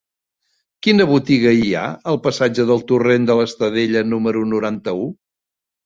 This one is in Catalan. Quina botiga hi ha al passatge del Torrent de l'Estadella número noranta-u?